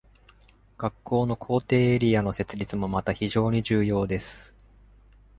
学校の校庭エリアの設立もまた非常に重要です。